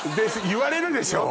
言われるでしょ？